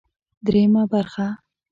درېيمه برخه